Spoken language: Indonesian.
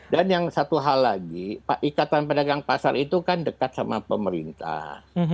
dan yang satu hal lagi ikatan pedagang pasar itu kan dekat sama pemerintah